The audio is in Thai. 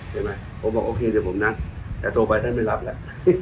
ผมบอกโอเคเดี๋ยวผมนัดแต่โทรไปท่านไม่รับละ